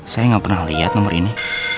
saya gak pernah liat nomor ini